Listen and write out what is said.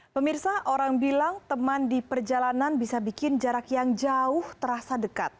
pemirsa orang bilang teman di perjalanan bisa bikin jarak yang jauh terasa dekat